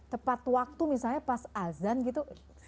tepat waktu misalnya pas azan gitu